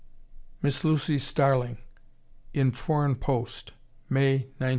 (Miss Lucy Starling in Foreign Post, May, 1910.)